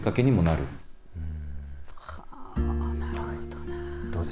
なるほどな。